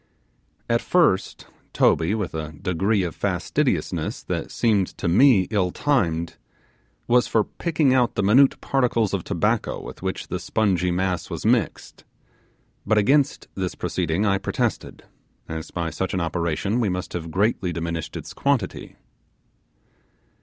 At first, Toby with a degree of fastidiousness that seemed to me ill timed, was for picking out the minute particles of tobacco with which the spongy mass was mixed; but against this proceeding I protested, as by such an operation we must have greatly diminished its quantity.